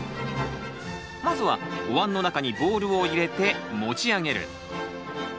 まずはおわんの中にボールを入れて持ち上げる。